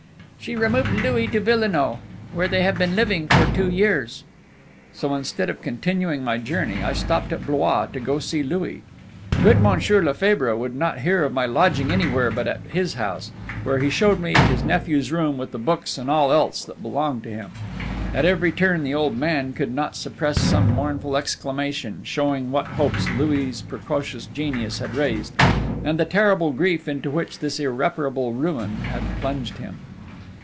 "She removed Louis to Villenoix, where they have been living for two years." So, instead of continuing my journey, I stopped at Blois to go to see Louis. Good Monsieur Lefebvre would not hear of my lodging anywhere but at his house, where he showed me his nephew's room with the books and all else that had belonged to him. At every turn the old man could not suppress some mournful exclamation, showing what hopes Louis' precocious genius had raised, and the terrible grief into which this irreparable ruin had plunged him.